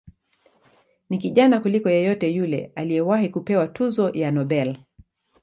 Ni kijana kuliko yeyote yule aliyewahi kupewa tuzo ya Nobel.